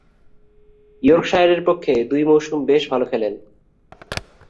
ইয়র্কশায়ারের পক্ষে দুই মৌসুম বেশ ভালো খেলেন।